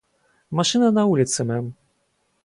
Машина на улице, мэм.